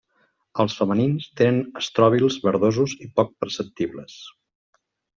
Els femenins tenen estròbils verdosos i poc perceptibles.